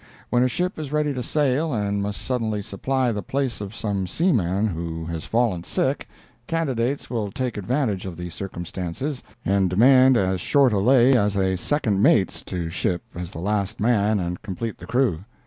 When a ship is ready to sail and must suddenly supply the place of some seaman who has fallen sick, candidates will take advantage of the circumstances and demand as short a "lay" as a second mate's to ship as the last man and complete the crew.